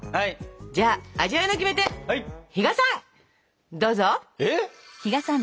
じゃあ味わいのキメテ比嘉さんどうぞ！えっ？